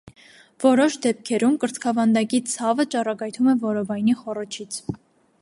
Որոշ դեպքերում կրծքավանդակի ցավը ճառագայթում է որովայնի խոռոչից։